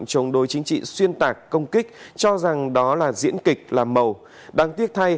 trong đối chính trị xuyên tạc công kích